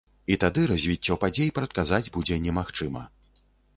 І тады развіццё падзей прадказаць будзе немагчыма.